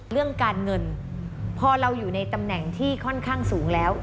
เรื่องการเงินพอเราอยู่ในตำแหน่งที่ค่อนข้างสูงแล้ว